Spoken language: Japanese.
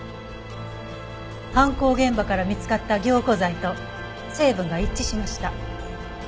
犯行現場から見つかった凝固剤と成分が一致しました。